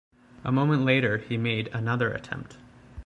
A moment later he made another attempt.